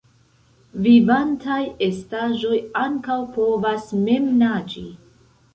Vivantaj estaĵoj ankaŭ povas mem naĝi.